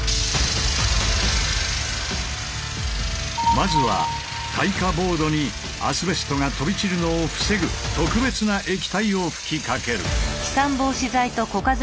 まずは耐火ボードにアスベストが飛び散るのを防ぐ特別な液体を吹きかける。